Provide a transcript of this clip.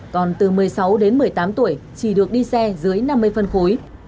còn từ một mươi sáu đến một mươi tám tuổi chỉ được đi xe dưới năm mươi phân khối